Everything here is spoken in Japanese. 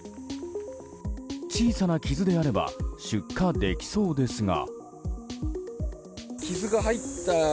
小さな傷であれば出荷できそうですが。